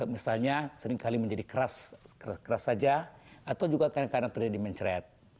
misalnya seringkali menjadi keras saja atau juga kadang kadang terjadi mencret